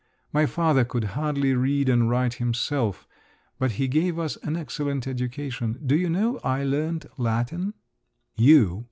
My father could hardly read and write himself, but he gave us an excellent education. Do you know, I learnt Latin!" "You?